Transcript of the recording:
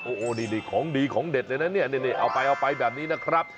โอ้โฮนี่ของดีของเด็ดเลยนะเอาไปแบบนี้นะครับ